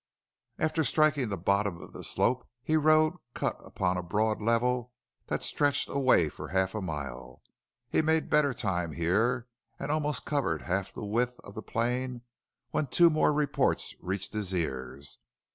After striking the bottom of the slope he rode cut upon a broad level that stretched away for half a mile. He made better time here and had almost covered half the width of the plain when two more reports reached his ears.